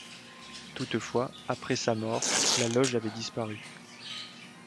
Toutefois, après sa mort, la loge avait disparu.